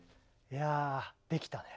いやできたね。